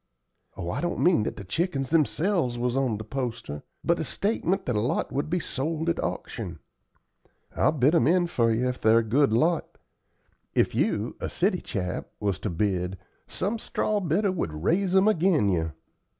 "Oh, I don't mean that the chickens themselves was on the poster, but a statement that a lot would be sold at auction. I'll bid 'em in for you if they're a good lot. If you, a city chap, was to bid, some straw bidder would raise 'em agin you.